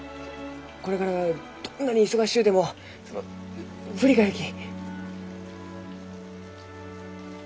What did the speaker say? これからはどんなに忙しゅうてもその振り返るき。